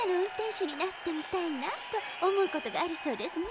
しゅになってみたいなとおもうことがあるそうですね。